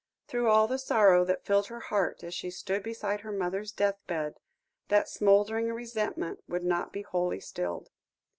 Through all the sorrow that filled her heart as she stood beside her mother's deathbed, that smouldering resentment would not be wholly stilled.